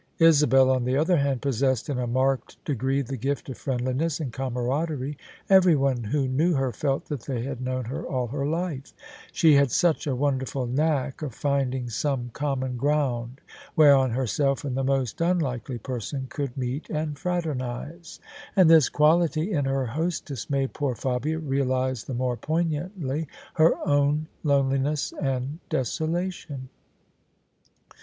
Isabel, on the other hand, possessed in a marked degree the gift of friendliness and camaraderie: every one who knew her felt that they had known her all her life, she had such a wonderful knack of finding some common ground whereon herself and the most unlikely person could meet and fraternise. And this quality in her hostess made poor Fabia realise the more poignantly her own loneliness and desolation.